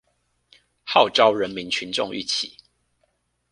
號召人民群眾一起